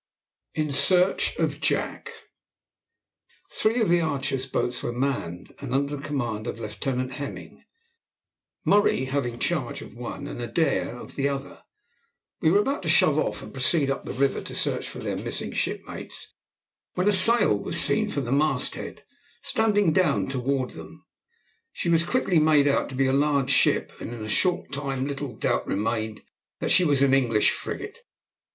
IN SEARCH OF JACK. Three of the Archer's boats were manned, and under the command of Lieutenant Hemming, Murray having charge of one and Adair of the other, were about to shove off and proceed up the river to search for their missing shipmates, when a sail was seen from the mast head standing down toward them. She was quickly made out to be a large ship, and in a short time little doubt remained that she was an English frigate.